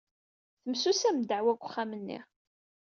Temsusam ddeɛwa deg uxxam-nni.